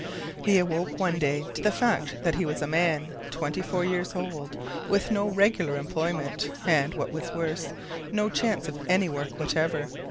He awoke one day to the fact that he was a man, twenty four years old, with no regular employment, and, what was worse, no chance of any work whatever.